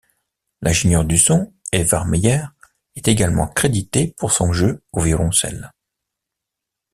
L'ingénieur du son, Edvard Meyer, est également crédité pour son jeu au violoncelle.